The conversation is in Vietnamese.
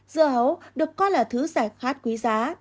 dưa hấu được coi là thứ giải khát quý giá